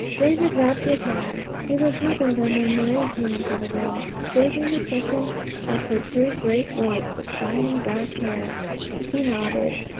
David rubbed his hands. He was rubbing them when Marie came into the room, plaiting the second of her two great ropes of shining black hair. He nodded.